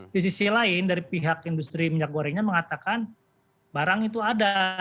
di sisi lain dari pihak industri minyak gorengnya mengatakan barang itu ada